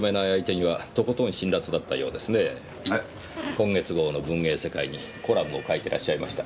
今月号の『文芸世界』にコラムを書いていらっしゃいました。